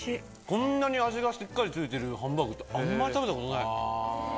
こんなに味がしっかりついてるハンバーグってあんまり食べたことない。